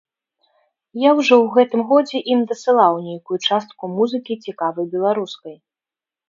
Я ўжо ў гэтым годзе ім дасылаў нейкую частку музыкі цікавай беларускай.